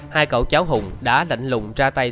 hai cậu cháu hùng đã lạnh lùng ra tay